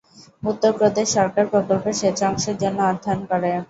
উত্তরপ্রদেশ সরকার প্রকল্পের সেচ অংশের জন্য অর্থায়ন করে।